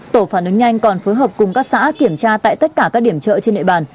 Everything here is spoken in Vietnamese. tổ phản ứng nhanh còn phối hợp cùng các xã kiểm tra tại tất cả các điểm chợ trên nệ bàn